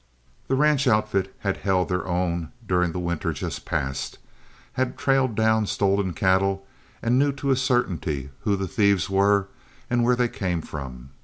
The ranch outfit had held their own during the winter just passed, had trailed down stolen cattle, and knew to a certainty who the thieves were and where they came from.